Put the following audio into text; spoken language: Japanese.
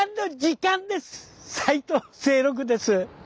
斉藤清六です。